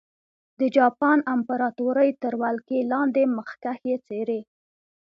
د جاپان امپراتورۍ تر ولکې لاندې مخکښې څېرې.